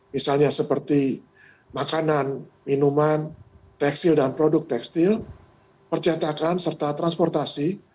misalnya seperti makanan minuman tekstil dan produk tekstil percetakan serta transportasi